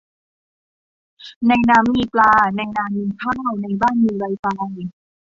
ในน้ำมีปลา ในนามีข้าว ในบ้านมีไวไฟ